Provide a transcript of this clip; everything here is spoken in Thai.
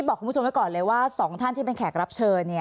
รัฐบาลนี้ใช้วิธีปล่อยให้จนมา๔ปีปีที่๕ค่อยมาแจกเงิน